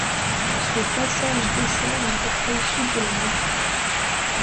Ce passage dessert le portail sud de la nef.